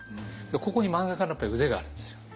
ここに漫画家の腕があるんですよ。